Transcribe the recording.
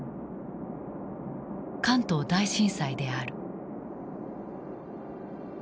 関東大震災である。